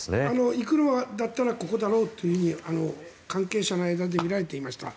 行くんだったらここだろうと関係者の間で見られていました。